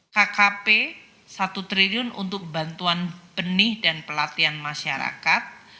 kkp satu triliun untuk bantuan benih dan pelatihan masyarakat